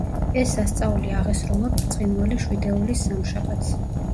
ეს სასწაული აღესრულა ბრწყინვალე შვიდეულის სამშაბათს.